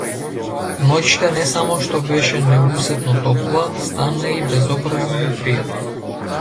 Ноќта не само што беше неусетно топла, стана и безобразно непријатна.